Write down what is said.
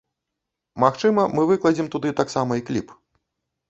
Магчыма мы выкладзем туды таксама і кліп.